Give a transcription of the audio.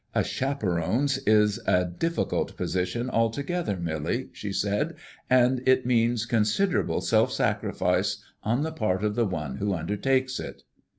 "A chaperone's is a difficult position altogether, Millie," she said, "and it means considerable self sacrifice on the part of the one who undertakes it."